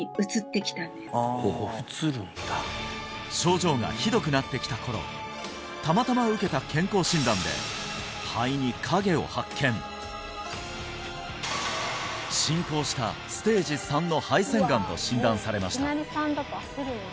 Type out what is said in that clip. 症状がひどくなってきた頃たまたま受けた健康診断で肺に影を発見進行したと診断されました